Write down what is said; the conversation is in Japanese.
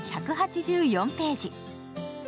全１８４ページ。